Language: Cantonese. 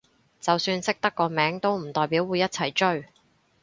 就算識得個名都唔代表會一齊追